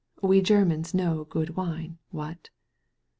We Germans know good wine. What?'